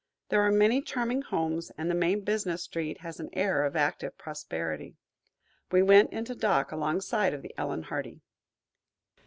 There are many charming homes and the main business street has an air of active prosperity. We went into dock alongside of the "Ellen Hardy."